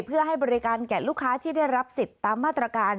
เพื่อให้บริการแก่ลูกค้าที่ได้รับสิทธิ์ตามมาตรการ